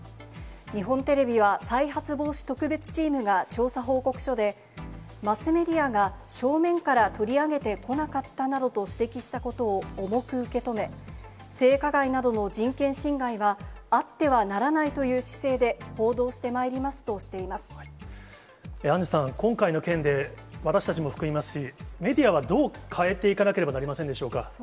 日本テレビは再発防止特別チームが調査報告書で、マスメディアが正面から取り上げてこなかったなどと指摘したことを重く受け止め、性加害などの人権侵害はあってはならないという姿勢で報道してまアンジュさん、今回の件で私たちも含みますし、メディアはどう変えていかなければなりませんでしょうか？